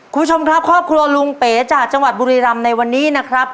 คุณผู้ชมครับครอบครัวลุงเป๋จากจังหวัดบุรีรำในวันนี้นะครับ